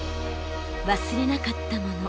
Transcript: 忘れなかったもの。